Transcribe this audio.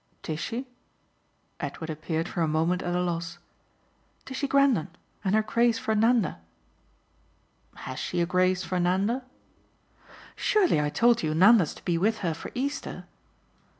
"Tishy?" Edward appeared for a moment at a loss. "Tishy Grendon and her craze for Nanda." "Has she a craze for Nanda?" "Surely I told you Nanda's to be with her for Easter."